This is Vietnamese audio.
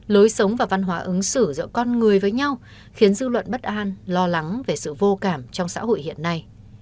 lối sống và văn hóa ứng xử giữa con người với nhau khiến dư luận bất an lo lắng về sự vô cảm trong xã hội hiện nay